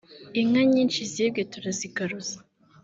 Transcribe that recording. inka nyinshi zibwe turazigaruza